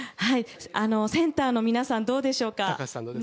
センターの皆さんどうでしょうか？